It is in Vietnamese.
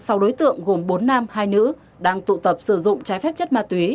sau đối tượng gồm bốn nam hai nữ đang tụ tập sử dụng trái phép chất ma túy